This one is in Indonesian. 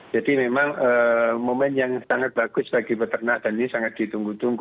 jadi memang momen yang sangat bagus bagi peternak dan ini sangat ditunggu tunggu